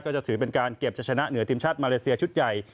จะถือเป็นการเก็บจะชนะเหนือทีมชาติมาเลเซียชุดใหญ่